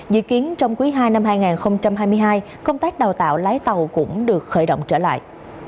dự kiến trong quý ii năm hai nghìn hai mươi hai công tác đào tạo lái tàu cũng được khởi động trở lại